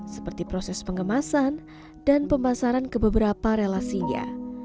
seperti proses pengemasan dan pemasaran ke beberapa relasinya